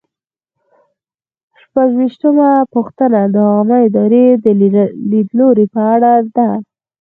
شپږویشتمه پوښتنه د عامه ادارې د لیدلوري په اړه ده.